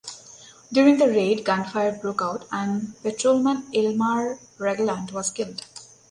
During the raid gun fire broke out and Patrolman Elmer Ragland was killed.